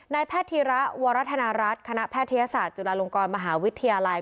แพทย์ธีระวรธนรัฐคณะแพทยศาสตร์จุฬาลงกรมหาวิทยาลัย